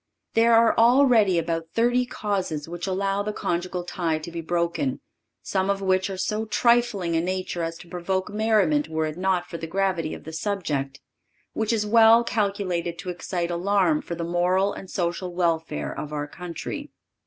There are already about thirty causes which allow the conjugal tie to be broken, some of which are of so trifling a nature as to provoke merriment were it not for the gravity of the subject, which is well calculated to excite alarm for the moral and social welfare of our country.